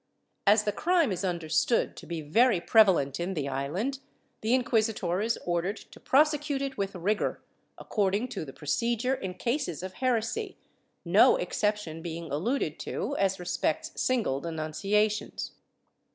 As the crime is understood to be very prevalent in the island, the inquisitor is ordered to pro secute it with rigor, according to the procedure in cases of heresy, no exception being alluded to as respects single denunciations.